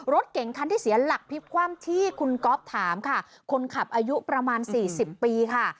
รถเก่งคันที่เสียหลักพลิกคว่ำที่คุณก๊อฟถามค่ะคนขับอายุประมาณสี่สิบปีค่ะ